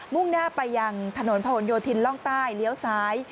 ่งหน้าไปยังถนนผนโยธินร่องใต้เลี้ยวซ้าย